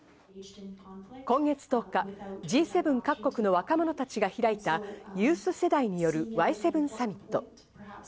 今月１０日、Ｇ７各国の若者たちが開いたユース世代によるＹ７サミット。